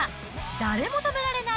だれも止められない！